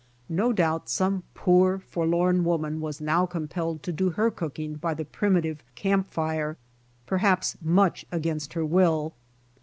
No doubt some poor forlorn woman was now compelled to do her cooking by the primitive camp fire, perhaps much against her will.